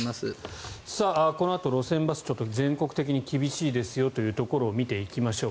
このあと路線バス全国的に厳しいですというところを見ていきましょう。